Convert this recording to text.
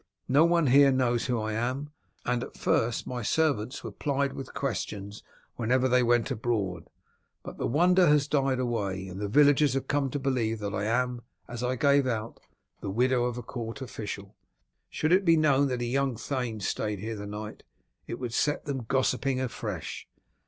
No one here knows who I am, and at first my servants were plied with questions whenever they went abroad; but the wonder has died away, and the villagers have come to believe that I am, as I gave out, the widow of a court official. Should it be known that a young thane stayed here the night, it would set them gossiping afresh.